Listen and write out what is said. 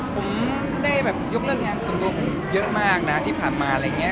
ผมได้แบบยกเลิกงานส่วนตัวผมเยอะมากนะที่ผ่านมาอะไรอย่างนี้